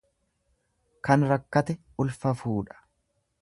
Kan rakkate ulfa fuudha.